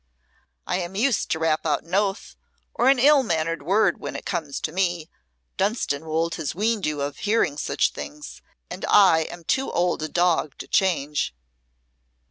"I am used to rap out an oath or an ill mannered word when it comes to me. Dunstanwolde has weaned you of hearing such things and I am too old a dog to change."